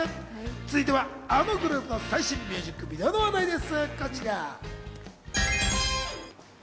続いてはあのグループの最新ミュージックビデオの話題です。